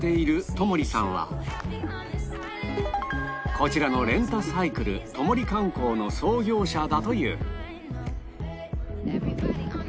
こちらのレンタサイクル友利観光の創業者だという